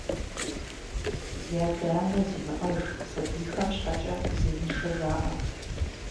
Зи адэ-анэ зимыӏэж сабийхэм щхьэкӏэ зеиншэ жаӏэ.